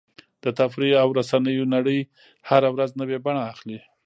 د تفریح او رسنیو نړۍ هره ورځ نوې بڼه اخلي.